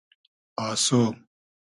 آسۉ